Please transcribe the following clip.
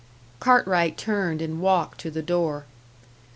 Cartwright turned and walked to the door.